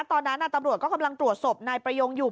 ตอนนั้นตำรวจก็กำลังตรวจศพนายประยงอยู่